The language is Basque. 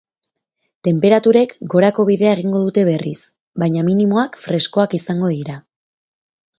Tenperaturek gorako bidea egingo dute berriz, baina minimoak freskoak izango dira.